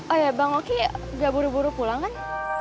oh ya bang oki gak buru buru pulang kan